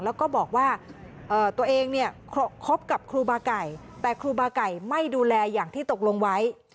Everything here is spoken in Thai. แล้วก็บอกว่าตัวเองเนี่ยคบกับครูบาไก่แต่ครูบาไก่ไม่ดูแลอย่างที่ตกลงไว้